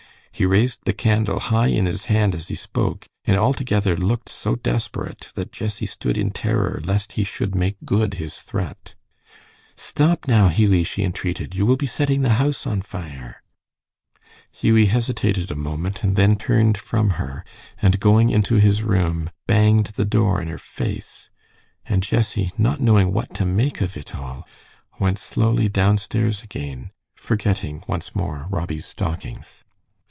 He raised the candle high in his hand as he spoke, and altogether looked so desperate that Jessie stood in terror lest he should make good his threat. "Stop, now, Hughie," she entreated. "You will be setting the house on fire." Hughie hesitated a moment, and then turned from her, and going into his room, banged the door in her face, and Jessie, not knowing what to make of it all, went slowly downstairs again, forgetting once more Robbie's stockings.